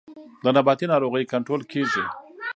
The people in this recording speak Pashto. د نباتي ناروغیو کنټرول کیږي